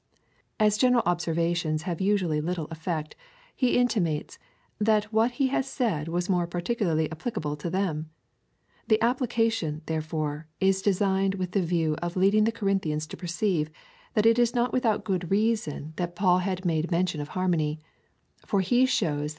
As general observations have usually little effect, he intimates, that what he had said was more particularly apj^licable to them. The application, therefore, is designed with the view of leading the Corin thians to perceive, that it was not without good reason that ^" Et assembles Time a I'autre;" —" And associated with each other."